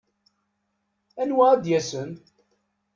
Anwa ad d-yasen?